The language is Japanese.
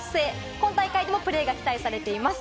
今大会でも、松島選手のプレーが期待されています。